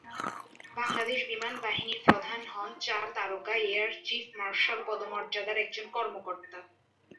বাংলাদেশ বিমান বাহিনীর প্রধান হন চার তারকা এয়ার চিফ মার্শাল পদমর্যাদার একজন কর্মকর্তা।